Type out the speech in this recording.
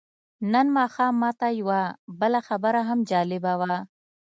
نن ماښام ماته یوه بله خبره هم جالبه وه.